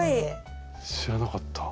知らなかった。